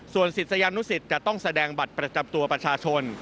ส่วนศิษยานุสิตจะต้องแสดงบัตรประจำตัวประชาชน